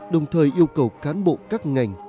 đồng thời yêu cầu cán bộ các ngành